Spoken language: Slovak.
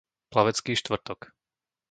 Plavecký Štvrtok